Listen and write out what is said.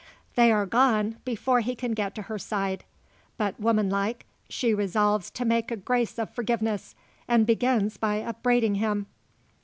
They are gone, before he can get to her side. But woman like, she resolves to make a grace of forgiveness, and begins by upbraiding him.